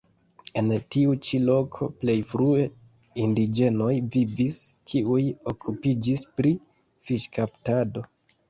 En tiu ĉi loko plej frue indiĝenoj vivis, kiuj okupiĝis pri fiŝkaptado.